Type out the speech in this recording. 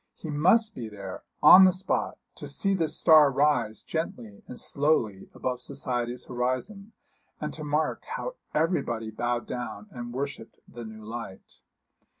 He must be there, on the spot, to see this star rise gently and slowly above society's horizon, and to mark how everybody bowed down and worshipped the new light.